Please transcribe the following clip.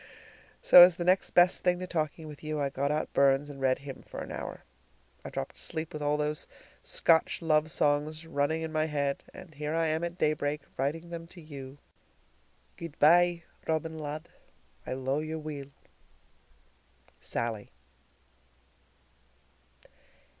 So, as the next best thing to talking with you, I got out Burns and read him for an hour. I dropped asleep with all those Scotch love songs running in my head, and here I am at daybreak writing them to you. Good by, Robin lad, I lo'e you weel. SALLIE.